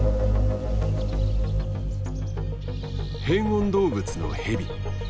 変温動物のヘビ。